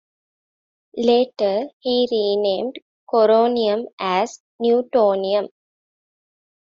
Later he renamed coronium as newtonium.